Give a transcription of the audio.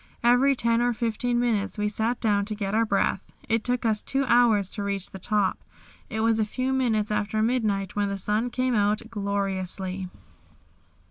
Every ten or fifteen minutes we sat down to get our breath. It took us two hours to reach the top. It was a few minutes after midnight when the sun came out gloriously.